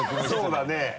そうだね。